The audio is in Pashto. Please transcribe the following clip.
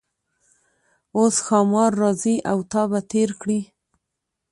اوس ښامار راځي او تا به تیر کړي.